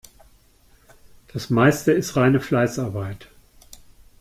Das Meiste ist reine Fleißarbeit.